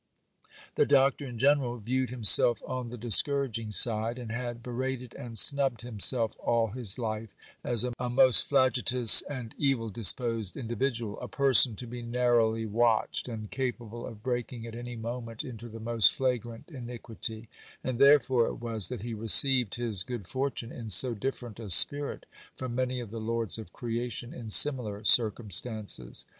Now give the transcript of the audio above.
The Doctor, in general, viewed himself on the discouraging side, and had berated and snubbed himself all his life as a most flagitious and evil disposed individual—a person to be narrowly watched, and capable of breaking at any moment into the most flagrant iniquity; and therefore it was that he received his good fortune in so different a spirit from many of the Lords of Creation in similar circumstances.